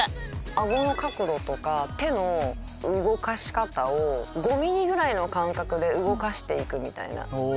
顎の角度とか手の動かし方を５ｍｍぐらいの間隔で動かしていくみたいな。